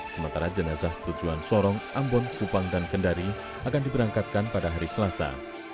sementara jenazah tujuan sorong ambon kupang dan kendari akan diberangkatkan pada hari selasa